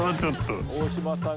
大島さん）